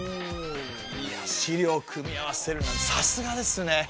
いや資料を組み合わせるなんてさすがですね！